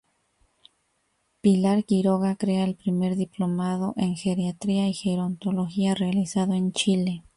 Pilar Quiroga crea el primer Diplomado en Geriatría y Gerontología realizado en Chile.